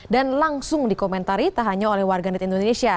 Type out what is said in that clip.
dan langsung dikomentari tak hanya oleh warganet indonesia